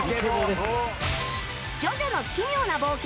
『ジョジョの奇妙な冒険』